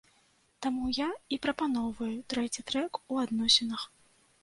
Таму я і прапаноўваю трэці трэк у адносінах.